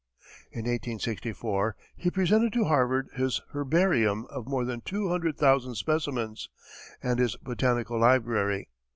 In 1864, he presented to Harvard his herbarium of more than two hundred thousand specimens, and his botanical library.